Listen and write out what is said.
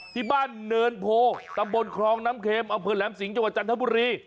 ที่บ้านเนินโพตำบลคลองน้ำเค็มอำเภอแหลมสิงห์จังหวัดจันทบุรี